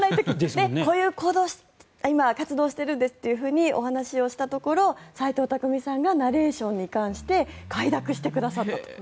今、こういう活動をしているんですとお話ししたところ斎藤工さんがナレーションに関して快諾してくださったと。